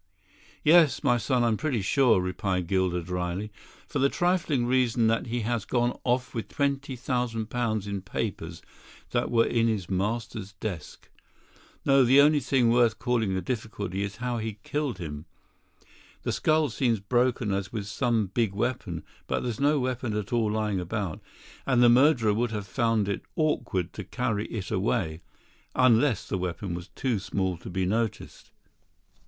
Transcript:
"Yes, my son, I'm pretty sure," replied Gilder drily, "for the trifling reason that he has gone off with twenty thousand pounds in papers that were in his master's desk. No, the only thing worth calling a difficulty is how he killed him. The skull seems broken as with some big weapon, but there's no weapon at all lying about, and the murderer would have found it awkward to carry it away, unless the weapon was too small to be noticed."